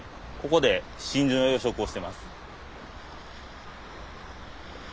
ここで真珠の養殖をしてます。